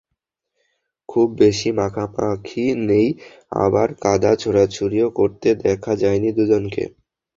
খুব বেশি মাখামাখি নেই, আবার কাদা ছোড়াছুড়িও করতে দেখা যায়নি দুজনকে।